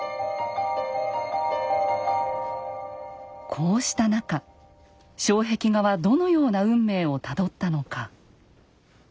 こうした中障壁画はどのような運命をたどったのか。